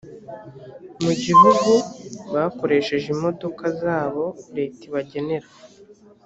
mu gihugu bakoresheje imodoka zabo leta ibagenera